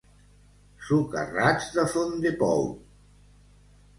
Socarrats de Fontdepou.